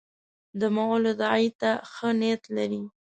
د مغولو داعیې ته ښه نیت لري.